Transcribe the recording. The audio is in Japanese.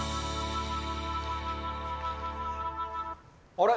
あれ？